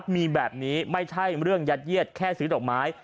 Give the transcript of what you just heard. มีแบบนี้ไม่ใช่เรื่องยัดเยียดแค่ซื้อดอกไม้